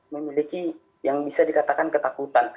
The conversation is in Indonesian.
memiliki yang bisa dikatakan ketakutan